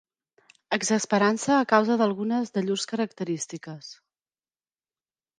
Exasperant-se a causa d'algunes de llurs característiques.